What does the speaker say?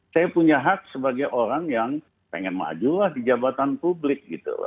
saya punya hak sebagai orang yang ingin maju di jabatan publik